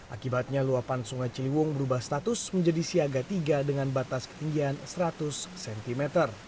akibatnya luapan sungai ciliwung berubah status menjadi siaga tiga dengan batas ketinggian seratus cm